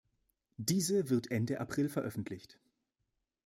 Diese wird Ende April veröffentlicht.